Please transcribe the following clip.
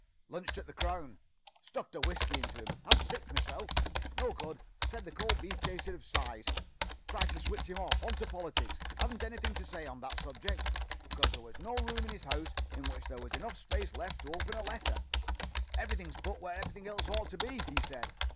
"Lunched at the 'Crown.' Stuffed a whiskey into him. Had six myself. No good. Said the cold beef tasted of size. Tried to switch him off; on to politics. Hadn't anything to say on that subject, because there was no room in his house in which there was enough space left to open a paper. "'Everything's put where everything else ought to be,' he said.